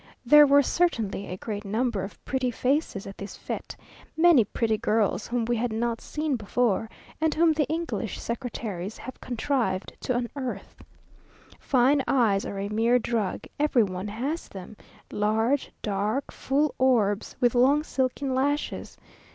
There were certainly a great number of pretty faces at this fête, many pretty girls whom we had not seen before, and whom the English secretaries have contrived to unearth. Fine eyes are a mere drug every one has them; large, dark, full orbs, with long silken lashes.